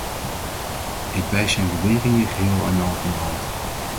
Ik wijs zijn beweringen geheel en al van de hand.